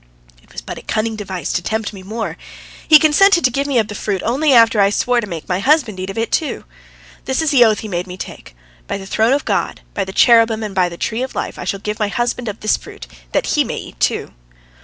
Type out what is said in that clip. It was but a cunning device to tempt me more. He consented to give me of the fruit only after I swore to make my husband eat of it, too. This is the oath he made me take: "By the throne of God, by the cherubim, and by the tree of life, I shall give my husband of this fruit, that he may eat, too."